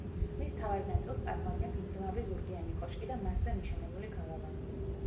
მის მთავარ ნაწილს წარმოადგენს მძლავრი ზურგიანი კოშკი და მასზე მიშენებული გალავანი.